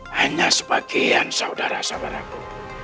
hanya sebagian saudara saudaraku